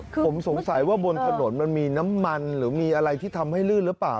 ผมสงสัยว่าบนถนนมันมีน้ำมันหรือมีอะไรที่ทำให้ลื่นหรือเปล่า